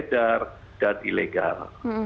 pengaruh dan ilegal